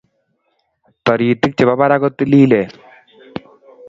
Taritik chepo parak ko tililen